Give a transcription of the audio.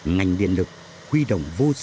ngành điện lực khuy động vô tình